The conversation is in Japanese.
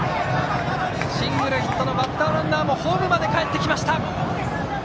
シングルヒットのバッターランナーもホームまでかえってきました。